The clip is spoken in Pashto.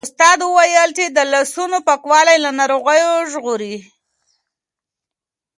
استاد وویل چې د لاسونو پاکوالی له ناروغیو ژغوري.